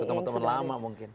mau ketemu temen lama mungkin